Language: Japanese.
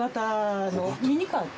ミニカー？